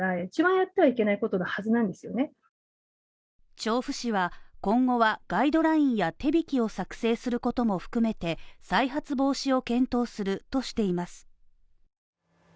調布市は今後はガイドラインや手引きを作成することも含めて再発防止を検討するとしています。